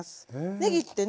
ねぎってね